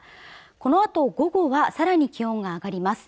このあと午後はさらに気温が上がります